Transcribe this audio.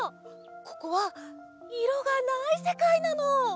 ここはいろがないせかいなの！